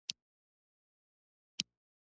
له افغانستان سره غوره اړیکې ساتلي